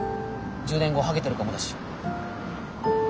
１０年後はげてるかもだし。